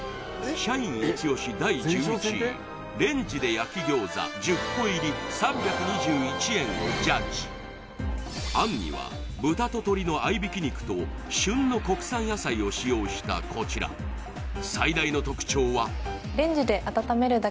社員イチ押し第１１位レンジで焼ギョーザ１０個入り３２１円をジャッジ餡には豚と鶏の合い挽き肉と旬の国産野菜を使用したこちら最大の特徴は？